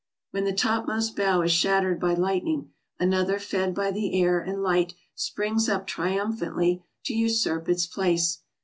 When the topmost bough is shattered by lightning, another fed by the air and light springs up triumphantly to usurp its place.